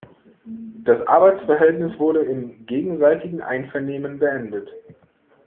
Das Arbeitsverhältnis wurde im gegenseitigen Einvernehmen beendet.